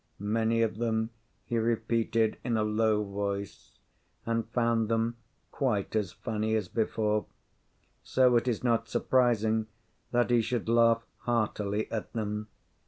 Many of them he repeated in a low voice, and found them quite as funny as before; so it is not surprising that he should laugh heartily at them.